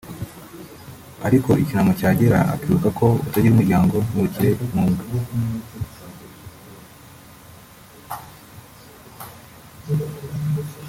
Ariko icyunamo cyagera akibuka ko utagira umuryango n’ubukire nkubwe